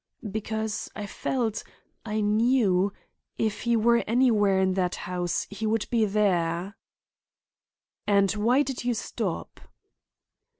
"Because I felt—I knew—if he were anywhere in that house he would be there!" "And why did you stop?"